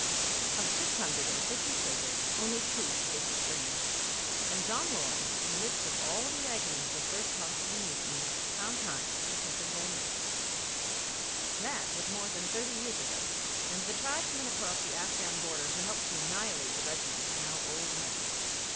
Of six hundred and fifty sabres only two stood strain, and John Lawrence in the midst of all the agony of the first months of the mutiny found time to think about their merits. That was more than thirty years ago, and the tribesmen across the Afghan border who helped to annihilate the regiment are now old men.